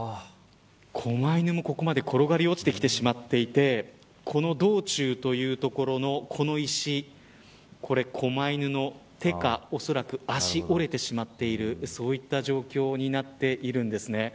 こま犬も、ここまで転がり落ちてきてしまっていてこの道中という所の石こま犬の手か恐らく足が折れてしまっているそういった状況になっているんですね。